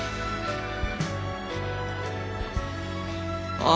ああ。